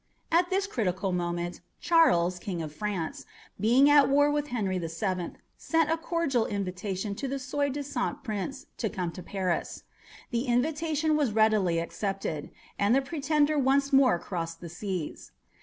At this critical moment Charles, King of France, being at war with Henry the Seventh, sent a cordial invitation to the soi disant prince to come to Paris. The invitation was readily accepted, and the pretender once more crossed the seas.